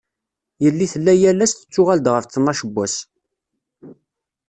Yelli tella yal ass tettuɣal-d ɣef ṭnac n wass.